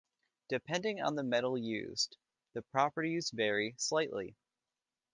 Depending on the metal used, the properties vary slightly.